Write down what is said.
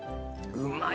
うまい！